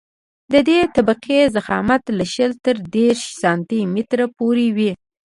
د دې طبقې ضخامت له شل تر دېرش سانتي مترو پورې وي